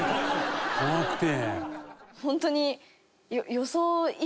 怖くて。